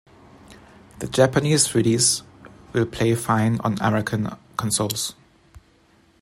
The Japanese release will play fine on American consoles.